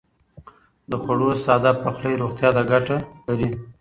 د خوړو ساده پخلی روغتيا ته ګټه لري.